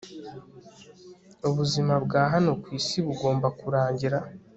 ubuzima bwa hano ku isi bugomba kurangira.